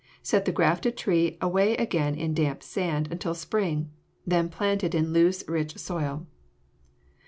Set the grafted tree away again in damp sand until spring, then plant it in loose, rich soil.